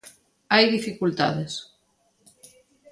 Hai dificultades.